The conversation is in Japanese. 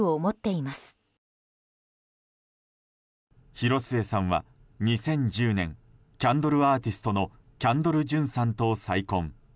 広末さんは２０１０年キャンドルアーティストのキャンドル・ジュンさんと再婚。